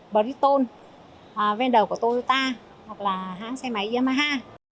bridgestone vendor của toyota hoặc là hãng xe máy yamaha